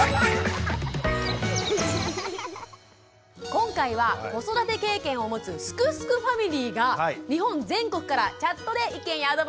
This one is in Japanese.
今回は子育て経験を持つすくすくファミリーが日本全国からチャットで意見やアドバイスをくれます。